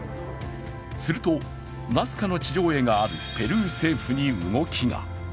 すると、ナスカの地上絵があるペルー政府に動きが。